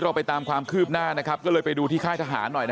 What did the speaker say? เราไปตามความคืบหน้านะครับก็เลยไปดูที่ค่ายทหารหน่อย